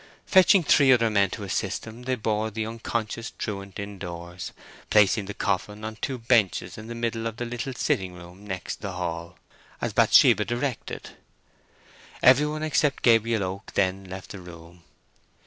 Fetching three other men to assist him, they bore the unconscious truant indoors, placing the coffin on two benches in the middle of a little sitting room next the hall, as Bathsheba directed. Every one except Gabriel Oak then left the room.